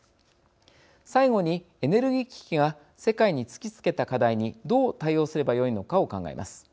最後に、エネルギー危機が世界に突きつけた課題にどう対応すればよいのかを考えます。